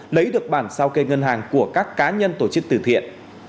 lấy được bản sao kê ngân hàng của các cá nhân tổ chức từ thiện